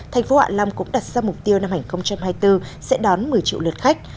tp hạ lâm cũng đặt ra mục tiêu năm hai nghìn hai mươi bốn sẽ đón một mươi triệu lượt khách